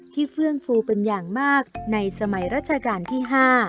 เฟื่องฟูเป็นอย่างมากในสมัยรัชกาลที่๕